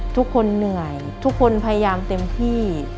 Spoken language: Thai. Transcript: ทุกคนเหนื่อยทุกคนพยายามเต็มที่